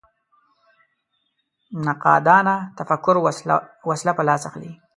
نقادانه تفکر وسله په لاس اخلي